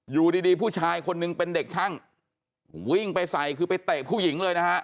อยู่ดีดีผู้ชายคนนึงเป็นเด็กช่างวิ่งไปใส่คือไปเตะผู้หญิงเลยนะฮะ